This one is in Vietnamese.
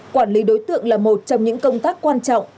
quản lý đối tượng là một trong những công tác quan trọng